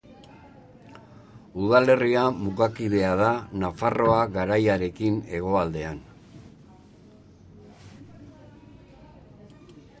Udalerria mugakidea da Nafarroa Garaiarekin hegoaldean.